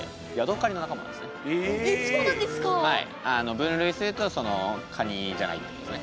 分類するとカニじゃないってことですね